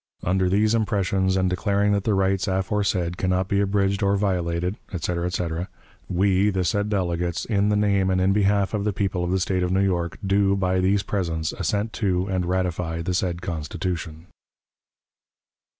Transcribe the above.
... Under these impressions, and declaring that the rights aforesaid can not be abridged or violated," etc., etc., "we, the said delegates, in the name and in behalf of the people of the State of New York, do, by these presents, assent to and ratify the said Constitution."